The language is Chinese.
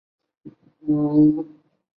原发性血色病